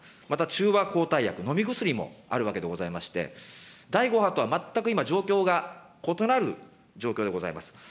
また中和抗体薬、飲み薬もあるわけでございまして、第５波とは全く今、状況が異なる状況でございます。